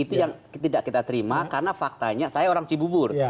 itu yang tidak kita terima karena faktanya saya orang cibubur